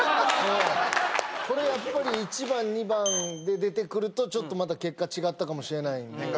これやっぱり１番２番で出てくると結果違ったかもしれないんで。